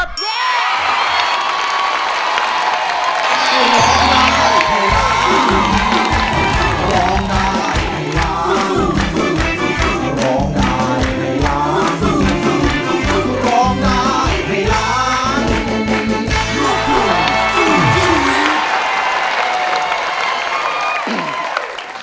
ได้ครับ